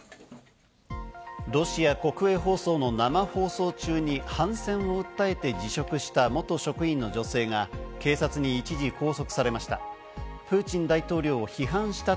ロシア国営放送の生放送中に反戦を訴えて辞職した元職員の女性が警察に一時拘束されました。